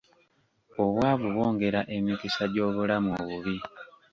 Obwavu bwongera emikisa gy'obulamu obubi..